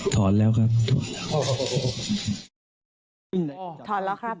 ถอนแล้วครับ